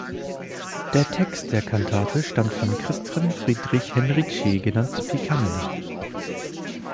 Der Text der Kantate stammt von Christian Friedrich Henrici, genannt Picander.